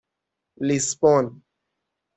لیسبون